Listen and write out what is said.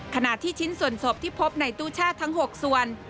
ขณะที่ชิ้นส่วนศพที่พบในตู้แช่ทั้ง๖ส่วน